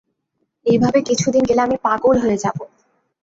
এইভাবে কিছুদিন গেলে আমি পাগল হয়ে যাব।